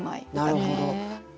なるほど。